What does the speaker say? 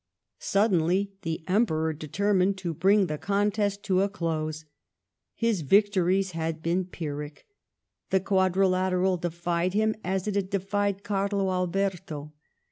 Suddenly the Emperor determined to bring the contest to a dose. His victories had been Pyrrhic; the Quadrilateral defied him as it had defied Oario Alberto.